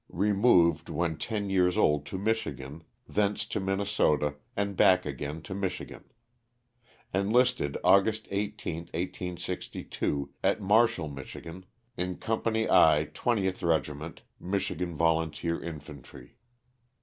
Removed, when ten years old to Michigan, thence to Minnesota, and bacji again to Michigan. Enlisted August 18, 1862, at Marshall, Mich., in Company I, 20th Regiment, Michigan Volunteer Infantry.